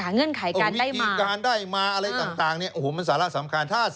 เงื่อนไขก่อนวิธีการได้มาอะไรต่างเนี่ยโอ้โหมันสาระสำคัญ